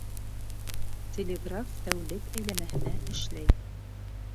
Телеграф тәүлек әйләнәһенә эшләй.